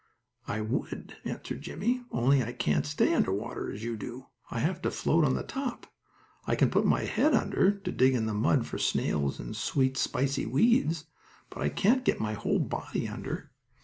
"I would," answered Jimmie, "only I can't stay under water as you do. I have to float on top. I can put my head under, to dig in the mud for snails and sweet, spicy weeds, but I can't get my whole body under."